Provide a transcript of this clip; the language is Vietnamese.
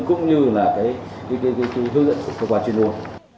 cũng như hướng dẫn của quả truyền đua